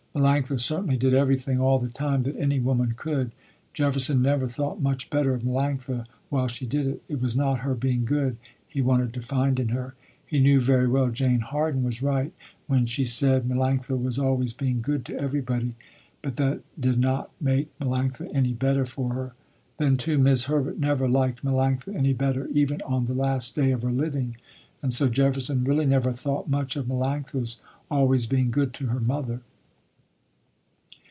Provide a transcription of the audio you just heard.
Melanctha certainly did everything, all the time, that any woman could. Jefferson never thought much better of Melanctha while she did it. It was not her being good, he wanted to find in her. He knew very well Jane Harden was right, when she said Melanctha was always being good to everybody but that that did not make Melanctha any better for her. Then too, 'Mis' Herbert never liked Melanctha any better, even on the last day of her living, and so Jefferson really never thought much of Melanctha's always being good to her mother.